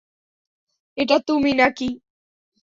এটা তুমি না-কি?